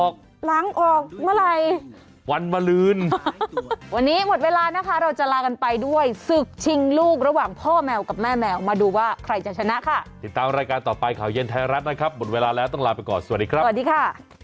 ครับหมดเวลาแล้วต้องลาไปก่อนสวัสดีครับสวัสดีค่ะ